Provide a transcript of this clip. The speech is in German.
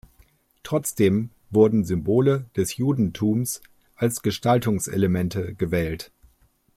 Trotzdem wurden Symbole des Judentums als Gestaltungselemente gewählt.